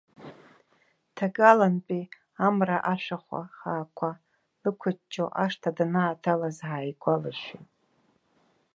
Ҭагалантәи амра ашәахәа хаақәа лықәыҷҷо ашҭа данааҭалаз ааигәалашәеит.